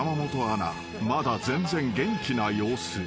［まだ全然元気な様子］